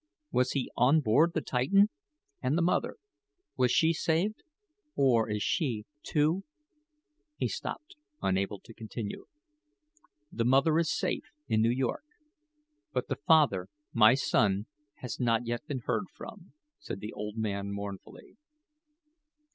Was he on board the Titan? And the mother was she saved, or is she, too " he stopped unable to continue. "The mother is safe in New York; but the father, my son, has not yet been heard from," said the old man, mournfully.